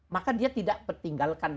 maka dia tidak ketinggalkan